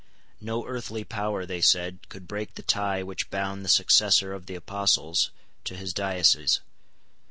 No earthly power, they said, could break the tie which bound the successor of the apostles to his diocese.